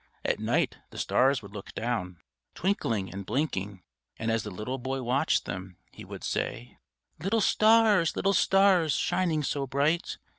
At night the stars would look down, twinkling and blinking; and as the little boy watched them, he would say: "_Little stars, little stars, shining so bright!